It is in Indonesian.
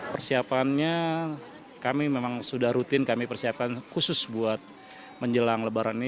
persiapannya kami memang sudah rutin kami persiapkan khusus buat menjelang lebaran ini